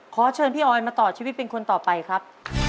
ขอเชิญพี่ออยมาต่อชีวิตเป็นคนต่อไปครับ